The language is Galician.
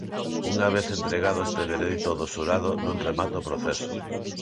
Unha vez entregado este veredicto do xurado non remata o proceso.